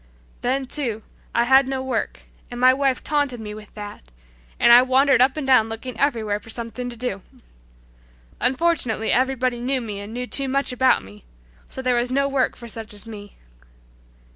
Then too, I had no work, and my wife taunted me with that, and I wandered up and down looking everywhere for something to do. Unfortunately everybody knew me and knew too much about me, so there was no work for such as me."